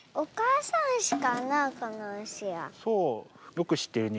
よくしってるね。